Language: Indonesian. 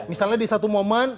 misalnya di satu momen